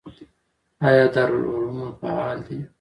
آیا دارالعلومونه فعال دي؟